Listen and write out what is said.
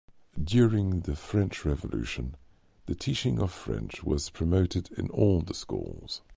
During the French revolution, the teaching of French was promoted in all the schools.